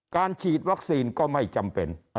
การฉีดวัคซีนก็ไม่จำเป็น